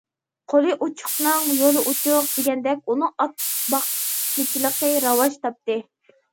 ‹‹ قولى ئوچۇقنىڭ يولى ئوچۇق›› دېگەندەك، ئۇنىڭ ئات باقمىچىلىقى راۋاج تاپتى.